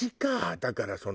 だからその。